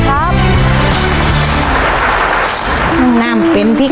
ภายในเวลา๓นาที